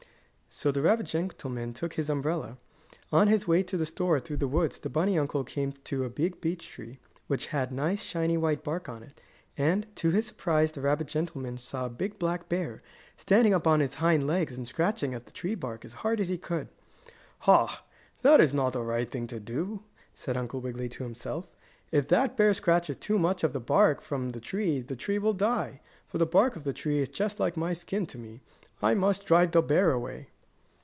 So the rabbit gentleman took his umbrella. On his way to the store through the woods, the bunny uncle came to a big beech tree, which had nice, shiny white bark on it, and, to his surprise the rabbit gentleman saw a big black bear, standing up on his hind legs and scratching at the tree bark as hard as he could. "Ha! That is not the right thing to do," said Uncle Wiggily to himself. "If that bear scratches too much of the bark from the tree the tree will die, for the bark of a tree is just like my skin is to me. I must drive the bear away."